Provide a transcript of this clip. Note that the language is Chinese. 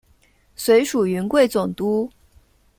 随署云贵总督。